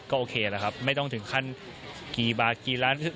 โอเคแล้วครับไม่ต้องถึงขั้นกี่บาทกี่ล้าน